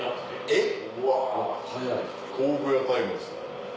えっ。